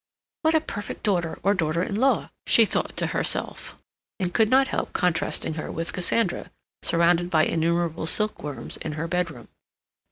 "What a perfect daughter, or daughter in law!" she thought to herself, and could not help contrasting her with Cassandra, surrounded by innumerable silkworms in her bedroom.